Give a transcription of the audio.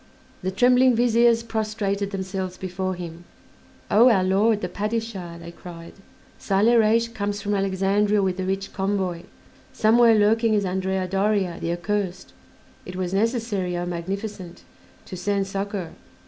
The trembling Viziers prostrated themselves before him. "O our Lord, the Padishah," they cried, "Saleh Reis comes from Alexandria with a rich convoy; somewhere lurking is Andrea Doria, the accursed; it was necessary, O Magnificent, to send succor."